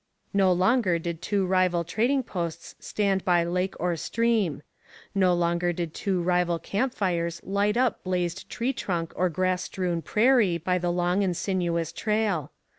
No longer did two rival trading posts stand by lake or stream. No longer did two rival camp fires light up blazed tree trunk or grass strewn prairie by the long and sinuous trail.